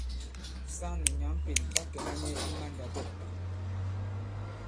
Saŋ nì nyǎŋ Pên ɓa kɛ̀na nyɛ i mandàdɔ̂ktà.